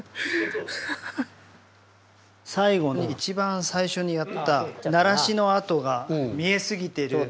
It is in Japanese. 最後に一番最初にやったならしの跡が見え過ぎてる